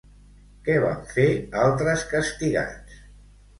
Què van fer altres castigats?